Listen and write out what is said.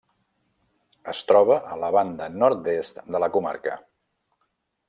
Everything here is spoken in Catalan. Es troba a la banda nord-est de la comarca.